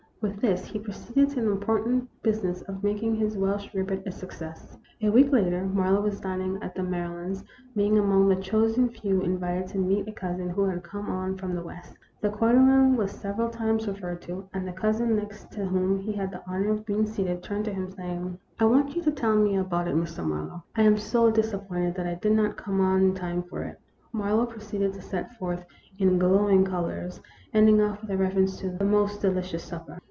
With this he proceeded to the important business of making his Welsh rarebit a success. A week later Marlowe was dining at the Mary lands', being among the chosen few invited to meet a cousin who had come on from the West. The cotillon was several times referred to, and the cousin, next to whom he had the honor of being seated, turned to him, saying :" I want you to tell me all about it, Mr. Marlowe. I am so disappointed that I did not come on in time for it." Marlowe proceeded to set it forth in glowing colors, ending off with a reference to " the most delicious supper."